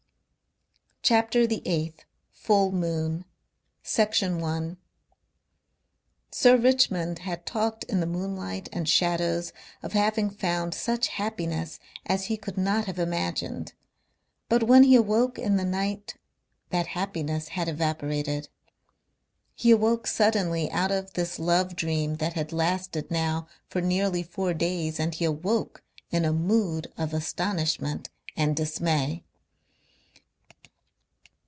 CHAPTER THE EIGHTH FULL MOON Section 1 Sir Richmond had talked in the moonlight and shadows of having found such happiness as he could not have imagined. But when he awoke in the night that happiness had evaporated. He awoke suddenly out of this love dream that had lasted now for nearly four days and he awoke in a mood of astonishment and dismay.